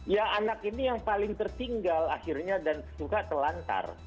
ya anak ini yang paling tertinggal akhirnya dan suka telantar